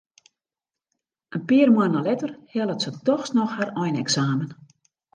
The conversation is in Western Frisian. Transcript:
In pear moanne letter hellet se dochs noch har eineksamen.